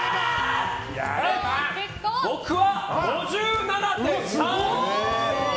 僕は、５７．３！